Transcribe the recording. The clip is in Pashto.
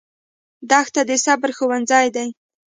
دښته د صبر ښوونځی دی.